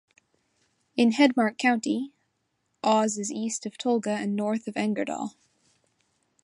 In Hedmark county, Os is east of Tolga and north of Engerdal.